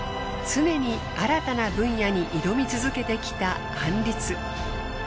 常に新たな分野に挑み続けてきたアンリツ。